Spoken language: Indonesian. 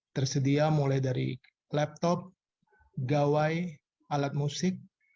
tersedia mulai dari laptop gawai alat musik